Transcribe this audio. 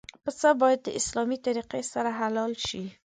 پسه باید د اسلامي طریقې سره حلال شي.